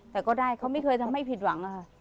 แต่ก็ได้เขาไม่เคยทำให้ผิดหวังอะค่ะ